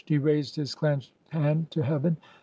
He raised his clenched hand to heaven.